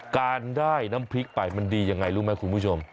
การได้น้ำพริกไปมันดียังไงรู้ไหมคุณผู้ชม